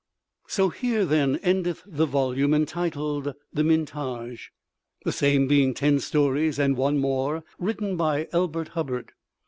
So here then endeth the Volume entitled "The Mintage," the same being Ten Stories and One More written by Elbert Hubbard.